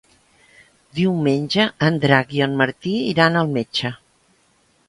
Diumenge en Drac i en Martí iran al metge.